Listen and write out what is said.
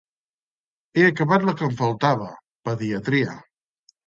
He acabat la que em faltava, Pediatria.